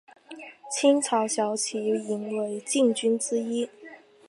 清朝骁骑营为禁军之一。